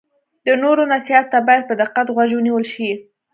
د نورو نصیحت ته باید په دقت غوږ ونیول شي.